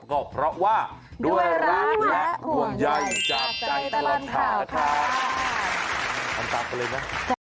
ก็เพราะว่าด้วยรักและห่วงใยจากใจตลอดข่าวค่ะ